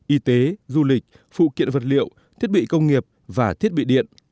y tế du lịch phụ kiện vật liệu thiết bị công nghiệp và thiết bị điện